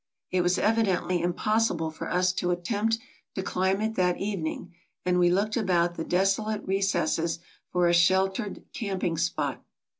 It was evidently impossible for us to attempt to climb it that evening, and we looked about the desolate recesses for a sheltered camp ing spot.